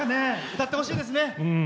歌ってほしいです。